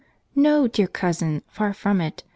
"JSTo, dear cousin, far from it.